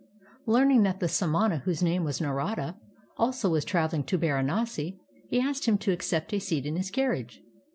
Learning that the samana, whose name was Xarada, also was traveling to Baranasi, he asked him to accept a seat in his carriage.